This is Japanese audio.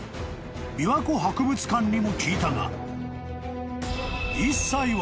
琵琶湖博物館にも聞いたが］